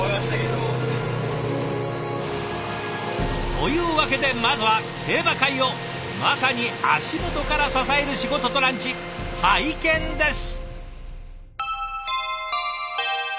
というわけでまずは競馬界をまさに足元から支える仕事とランチ拝見です。